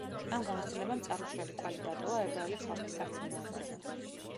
ამ გამოცდილებამ წარუშლელი კვალი დატოვა ებრაელი ხალხის სარწმუნოებაზე.